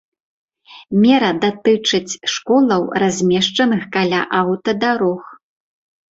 Мера датычыць школаў, размешчаных каля аўтадарог.